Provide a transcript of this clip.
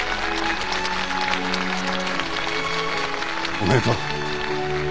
おめでとう。